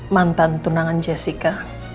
mantan tunangan jessica